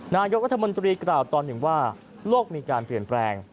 นายกรัฐมนตรีกล่าวตอนหนึ่งว่าโลกมีการเปลี่ยนแปลง